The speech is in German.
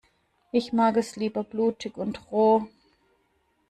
Ich mag es lieber blutig und roh.